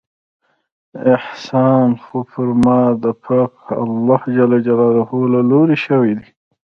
احسان خو پر ما د پاک الله له لورې شوى دى.